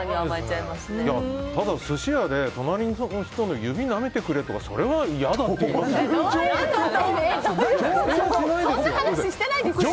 ただ寿司屋で隣の人の指なめてくれとかそれは嫌だって言いますよ。